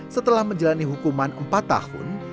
setelah menjalani hukuman empat tahun